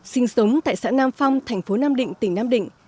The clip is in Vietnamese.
sinh sống tại xã nam phong thành phố nam định tỉnh nam định